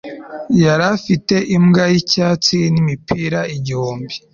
Yari afite imbwa yicyatsi nimipira igihumbi